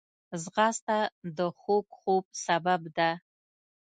ځغاسته د خوږ خوب سبب ده